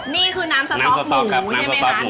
นี่คือน้ำสต๊อกหมูใช่ไหมคะน้ำสต๊อกครับน้ำสต๊อกหมู